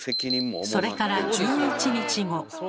それから１１日後。